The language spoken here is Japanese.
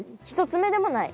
１つ目でもない。